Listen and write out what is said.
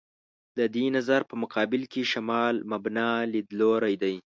د دې نظر په مقابل کې «شمال مبنا» لیدلوری دی.